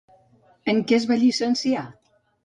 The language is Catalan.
En què es va llicenciar?